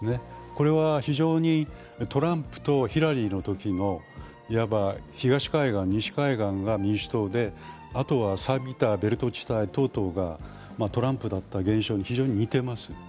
これは非常にトランプとヒラリーのときの言わば東海岸・西海岸が民主党で、あとはベルト地帯等等がトランプだった現象に非常に似ています。